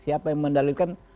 siapa yang mendalilkan